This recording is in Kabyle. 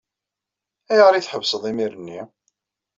Ayɣer ay tḥebseḍ imir-nni?